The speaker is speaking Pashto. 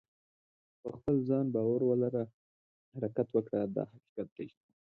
په خپل ځان باور ولره حرکت وکړه دا حقیقت دی.